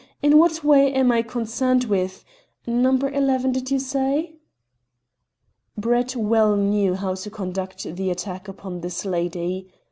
In what way am I concerned with No. 11, did you say?" Brett well knew how to conduct the attack upon this lady.